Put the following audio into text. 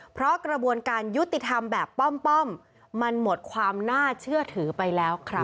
เพราะกระบวนการยุติธรรมแบบป้อมมันหมดความน่าเชื่อถือไปแล้วครับ